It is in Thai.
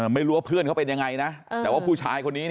ไม่รู้ว่าเพื่อนเขาเป็นยังไงนะแต่ว่าผู้ชายคนนี้